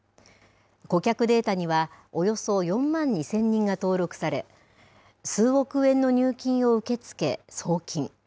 顧客データには、およそ４万２０００人が登録され、数億円の入金を受け付け送金。